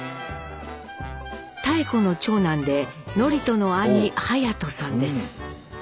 妙子の長男で智人の兄・勇人さんです。